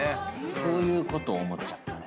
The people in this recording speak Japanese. そういうことを思っちゃったね。